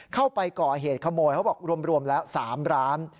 เข้าไปก่อเหตุขโมยเขาบอกรวมแล้ว๓ร้าน